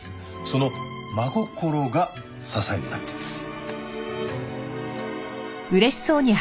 その真心が支えになってるんです。